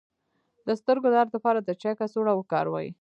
د سترګو درد لپاره د چای کڅوړه وکاروئ